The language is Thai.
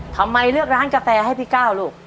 ทำไมเลือกร้านกาแฟให้พี่ก้าวลูก